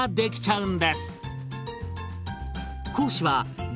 うん。